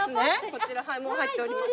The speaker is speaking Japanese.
こちらもう入っております。